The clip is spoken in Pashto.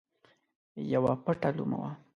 یوه پټه لومه وه.